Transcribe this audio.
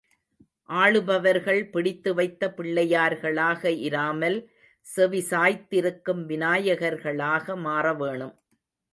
ஆளுபவர்கள் பிடித்து வைத்த பிள்ளையார்களாக இராமல், செவிசாய்த்திருக்கும் விநாயகர்களாக மாற வேணும்.